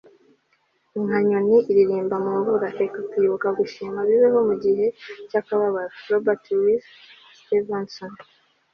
nka nyoni iririmba mu mvura, reka kwibuka gushimira bibeho mu gihe cy'akababaro - robert louis stevenson